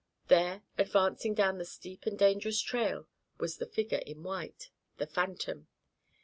There, advancing down the steep and dangerous trail was the figure in white the phantom.